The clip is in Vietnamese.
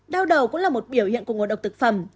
đau đầu cũng là một biểu hiện của ngộ độc thực phẩm